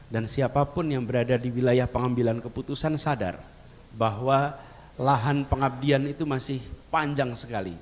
dan siapapun yang berada di wilayah pengambilan keputusan sadar bahwa lahan pengabdian itu masih panjang sekali